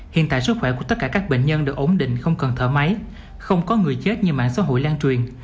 hiện tại sức khỏe của tất cả các bệnh nhân đều ổn định không cần thở máy không có người chết như mạng xã hội lan truyền